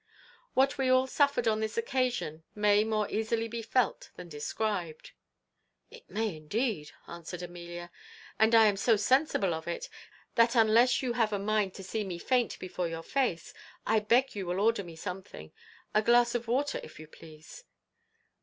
"What we all suffered on this occasion may more easily be felt than described." "It may indeed," answered Amelia, "and I am so sensible of it, that, unless you have a mind to see me faint before your face, I beg you will order me something; a glass of water, if you please.